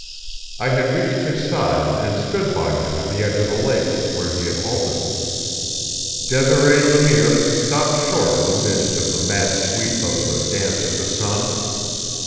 I had reached his side and stood by him at the edge of the lake, where he had halted. Desiree Le Mire stopped short in the midst of the mad sweep of the Dance of the Sun.